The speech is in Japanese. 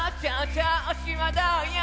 調子はどうよ？」